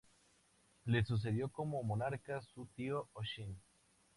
Le sucedió como monarca su tío Oshin.